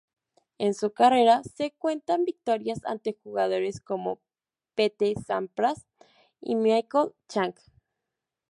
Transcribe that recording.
En su carrera se cuentan victorias ante jugadores como Pete Sampras y Michael Chang.